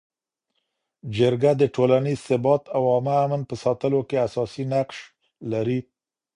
جرګه د ټولنیز ثبات او عامه امن په ساتلو کي اساسي نقش لري.